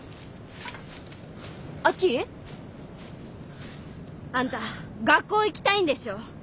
亜紀？あんた学校行きたいんでしょ？